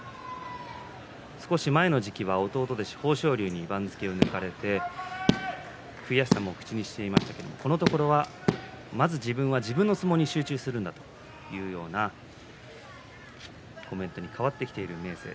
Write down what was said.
おととし、豊昇龍に番付を抜かれて悔しさも口にしていましたがこのところはまず自分が自分の相撲に集中するというコメントに変わってきています、明生。